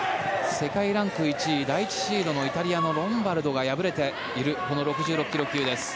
世界ランク１位第１シードのイタリアのロンバルドが敗れているこの６６ｋｇ級です。